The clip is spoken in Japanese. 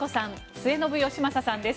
末延吉正さんです。